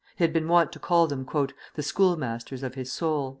He had been wont to call them "the school masters of his soul."